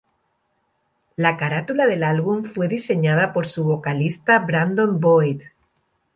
La carátula del álbum fue diseñada por su vocalista Brandon Boyd.